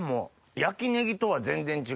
焼きねぎとは全然違う。